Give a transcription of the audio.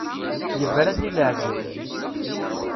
Yebra-d i leɛǧeb.